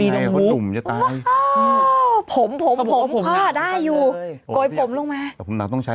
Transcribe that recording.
เหมือนก็ด้วยไงกล้วยผมลงมา